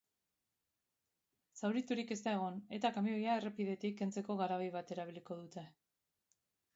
Zauriturik ez da egon, eta kamioia errepidetik kentzeko garabi bat erabiliko dute.